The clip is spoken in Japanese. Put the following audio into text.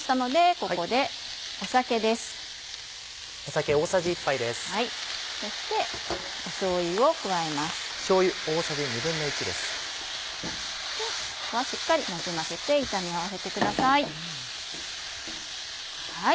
ここはしっかりなじませて炒め合わせてください。